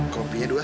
kopinya dua sendok